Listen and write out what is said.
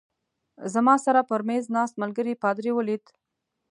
زما سره پر مېز ناست ملګري پادري ولید.